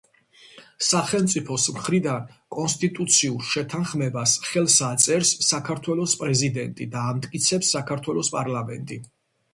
სახელმწიფოს მხრიდან კონსტიტუციურ შეთანხმებას ხელს აწერს საქართველოს პრეზიდენტი და ამტკიცებს საქართველოს პარლამენტი.